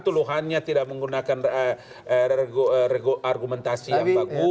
tuluhannya tidak menggunakan argumentasi yang bagus